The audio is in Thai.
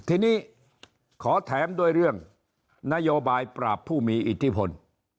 ทีนี้ขอแถมด้วยเรื่องนโยบายปราบผู้มีอิทธิพล